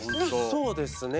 そうですね。